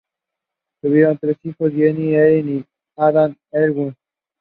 Other functions, as well as membership to the European System of Central Banks remained.